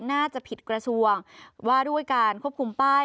น่าจะผิดกระทรวงว่าด้วยการควบคุมป้าย